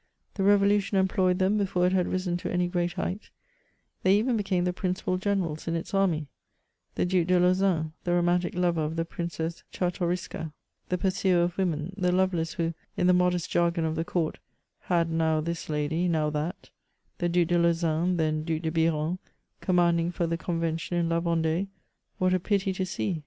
The Revolution employed them before it haid risen to any great height; they even became the principal generals in its army, the Due de Lauzun, the ro* mantic lover of the Princess Czartoriska, the pursuer of women, the Lovelace who, in the modest jargon of the court, had now this lady, now that, the Due de Lauzun, then Due de Biron, commanding for the Convention in La Vendue — what a pity to see